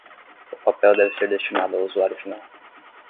O papel deve ser destinado ao usuário final.